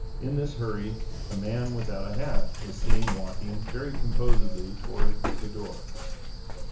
In this hurry, a man without a hat was seen walking very composedly before the door.